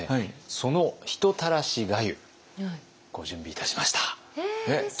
その人たらし粥ご準備いたしました。